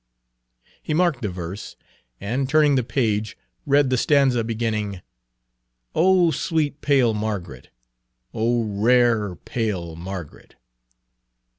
He marked the verse, and turning the page read the stanza beginning, "O sweet pale Margaret, O rare pale Margaret."